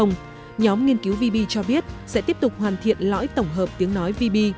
nhóm nghiên cứu vb cho biết sẽ tiếp tục hoàn thiện lõi tổng hợp tiếng nói vb